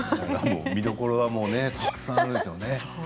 見どころはたくさんあるんですね。